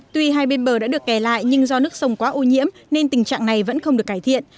tuy hai bên bờ đã được kè lại nhưng do nước sông quá ô nhiễm nên tình trạng này vẫn không được cải thiện